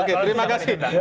oke terima kasih